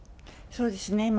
そうですね。